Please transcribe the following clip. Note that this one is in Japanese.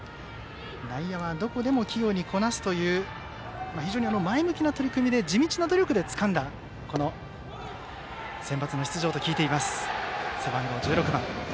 内野はどこでも器用にこなすという非常に前向きな取り組みで地道な努力でつかんだセンバツの出場と聞いています。